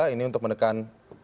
ini untuk mendekat